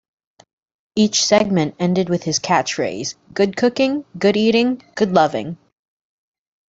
Each segment ended with his catchphrase, Good cooking, good eating, good loving!